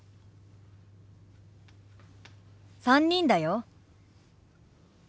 ３人だよ。